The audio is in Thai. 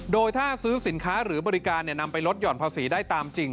โดยถ้าซื้อสินค้าหรือบริการนำไปลดหย่อนภาษีได้ตามจริง